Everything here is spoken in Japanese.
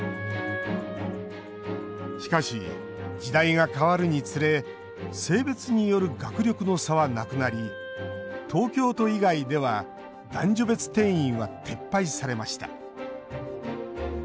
しかし、時代が変わるにつれ性別による学力の差はなくなり東京都以外では男女別定員は撤廃されました。